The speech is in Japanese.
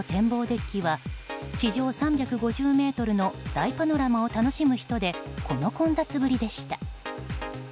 デッキは地上３５０ｍの大パノラマを楽しむ人でこの混雑ぶりでした。